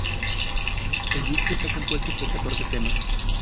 El disco está compuesto por catorce temas.